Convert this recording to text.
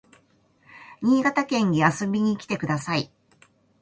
新潟県に遊びに来てください